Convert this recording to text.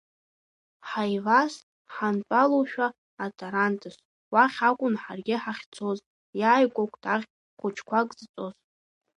Ҳаивас, ҳантәалоушәа атарантас, уахь акәын ҳаргьы ҳахьцоз, иааигәа кәҭаӷь хәыҷқәак зҵоз.